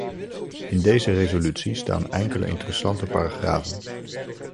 In deze resolutie staan enkele interessante paragrafen.